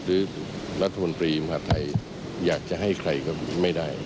หรือรัฐมนตรีมหาดไทยอยากจะให้ใครก็ไม่ได้